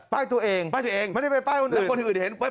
ป้ายตัวเองไม่ได้ไปป้ายคนอื่น